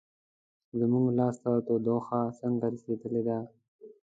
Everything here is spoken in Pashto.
زموږ لاس ته تودوخه څنګه رسیدلې ده؟